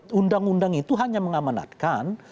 karena undang undang itu hanya mengamanatkan